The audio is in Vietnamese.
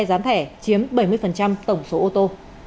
gián thẻ chiếm bảy mươi tổng số ô tô